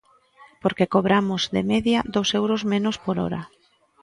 Porque cobramos, de media, dous euros menos por hora.